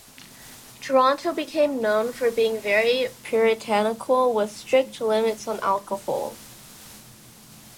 Toronto became known for being very puritanical with strict limits on alcohol.